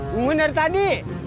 bunguin dari tadi